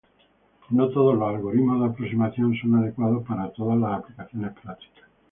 No todos los algoritmos de aproximación son adecuados para todas las aplicaciones prácticas.